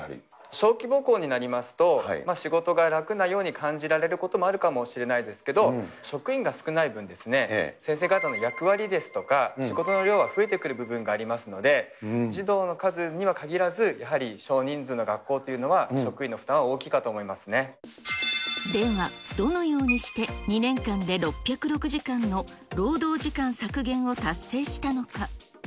小規模校になりますと、仕事が楽なように感じられることもあるかもしれないですけど、職員が少ない分ですね、先生方の役割ですとか、仕事の量は増えてくる部分がありますので、児童の数には限らず、やはり少人数の学校というのは、職員の負担は大きいかと思いますではどのようにして、２年間で６０６時間の労働時間削減を達成したのか。